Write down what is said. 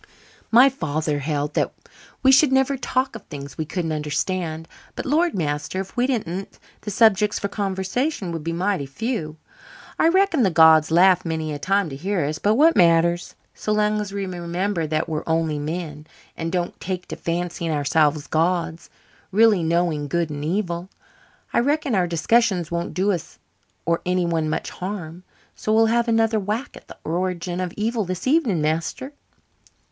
"My father held that we should never talk of things we couldn't understand. But, lord, master, if we didn't the subjects for conversation would be mighty few. I reckon the gods laugh many a time to hear us, but what matter? So long as we remember that we're only men, and don't take to fancying ourselves gods, really knowing good and evil, I reckon our discussions won't do us or anyone much harm. So we'll have another whack at the origin of evil this evening, master."